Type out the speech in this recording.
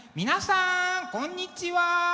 皆さんこんにちは！